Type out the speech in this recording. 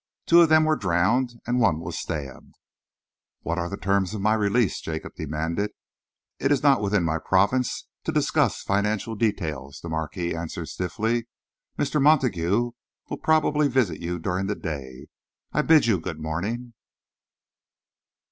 Two of them were drowned and one was stabbed." "What are the terms of my release?" Jacob demanded. "It is not within my province to discuss financial details," the Marquis answered stiffly. "Mr. Montague will probably visit you during the day. I bid you good morning."